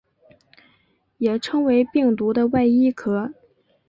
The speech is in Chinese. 也称为病毒的外衣壳。